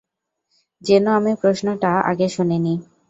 যেন আমি প্রশ্নটা আগে শুনিনি।